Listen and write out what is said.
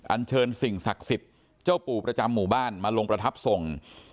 อันเชิญสิ่งศักดิ์สิทธิ์เจ้าปู่ประจำหมู่บ้านมาลงประทับทรง